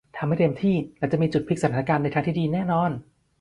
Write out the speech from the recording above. ทำให้เต็มที่แล้วจะมีจุดพลิกสถานการณ์ในทางที่ดีแน่นอน